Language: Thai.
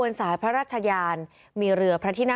ในเวลาเดิมคือ๑๕นาทีครับ